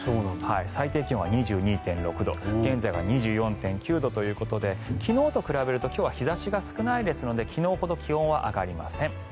最低気温は２２．６度現在は２４．９度ということで昨日と比べると今日は日差しが少ないので昨日ほど気温は上がりません。